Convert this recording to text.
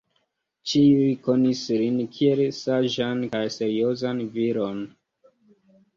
Ĉiuj konis lin kiel saĝan kaj seriozan viron.